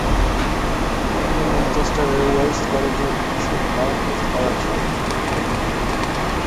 তিনি ম্যানচেস্টারের ওয়েলস কলেজে বিশপ বার্কলে স্কলার ছিলেন।